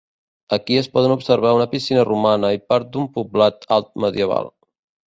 Aquí es poden observar una piscina romana i part d'un poblat alt-medieval.